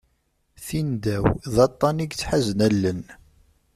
Tindaw, d aṭṭan i yettḥazen allen.